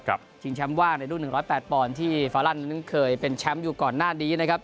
ครับชิงแชมป์ว่างในรุ่นหนึ่งร้อยแปดปอนด์ที่ฟาลันด์นึงเคยเป็นแชมป์อยู่ก่อนหน้านี้นะครับ